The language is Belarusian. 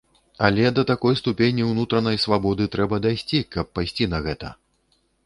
Але да такой ступені ўнутранай свабоды трэба дайсці, каб пайсці на гэта!